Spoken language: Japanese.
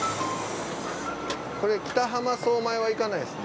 これ北浜荘前は行かないですね？